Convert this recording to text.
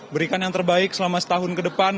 berikan yang terbaik selama setahun ke depan